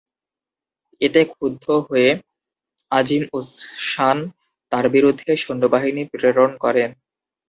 এতে ক্ষুব্দ হয়ে আজিম-উস-শান তার বিরুদ্ধে সৈন্যবাহিনী প্রেরণ করেন।